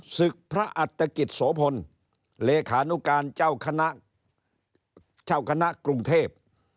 ศึกพระอัตกิจโสพลเลขานุการเจ้าคณะเจ้าคณะกรุงเทพ